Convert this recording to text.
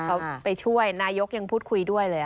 เขาไปช่วยนายกยังพูดคุยด้วยเลย